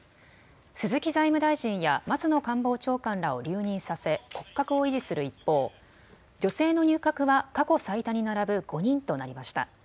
鈴木財務大臣や松野官房長官らを留任させ骨格を維持する一方、女性の入閣は過去最多に並ぶ５人となりました。